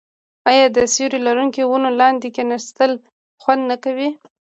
آیا د سیوري لرونکو ونو لاندې کیناستل خوند نه کوي؟